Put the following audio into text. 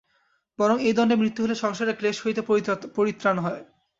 বরং এই দণ্ডে মৃত্যু হইলে সংসারের ক্লেশ হইতে পরিত্রাণ হয়।